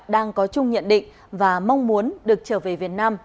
đang có chung nhận định và mong muốn được trở về việt nam